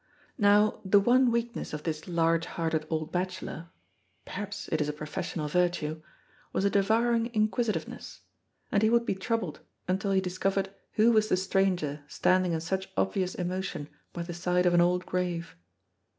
Now the one weakness of this large hearted old bachelor (perhaps it is a professional virtue) was a devouring inquisitiveness, and he would be troubled until he discovered who was the stranger standing in such obvious emotion by the side of an old grave.